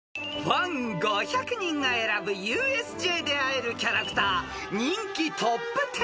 ［ファン５００人が選ぶＵＳＪで会えるキャラクター人気トップ１０］